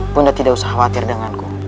bunda tidak usah khawatir denganku